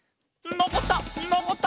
のこった！